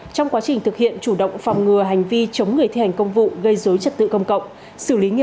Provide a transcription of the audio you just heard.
trong quá trình thực hiện chủ động phòng ngừa hành vi chống người thi hành công vụ gây dối trật tự công cộng